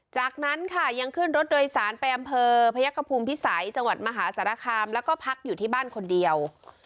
จากนั้นค่ะยังขึ้นรถโดยสารไปอำเภอพยักษภูมิพิสัยจังหวัดมหาสารคามแล้วก็พักอยู่ที่บ้านคนเดียว